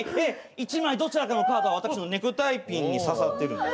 １枚どちらかのカードは私のネクタイピンにささっているんです。